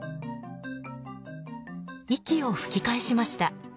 息を吹き返しました。